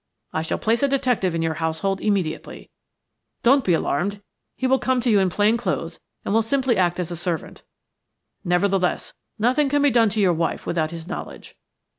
I shall place a detective in your household immediately. Don't be alarmed; he will come to you in plain clothes and will simply act as a servant. Nevertheless, nothing can be done to your wife without his knowledge.